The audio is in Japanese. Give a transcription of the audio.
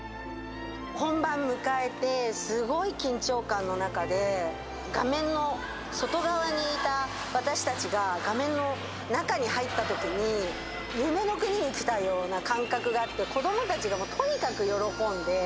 本番迎えて、すごい緊張感の中で、画面の外側にいた私たちが、画面の中に入ったときに、夢の国に来たような感覚があって、子どもたちがとにかく喜んで。